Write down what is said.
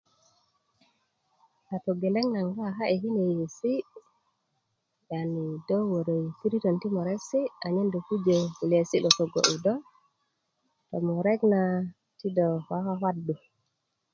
a togeleŋ na do kaka'yu kine yeyesi i wara piritän moresi a nyen dó pujä kulesi lo togo'yu dó tomurek na ti dó kwakwakwadú